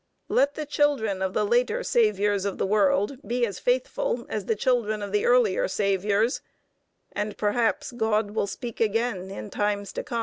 Let the children of the later saviors of the world be as faithful as the children of the earlier saviors, and perhaps God will speak again in times to come.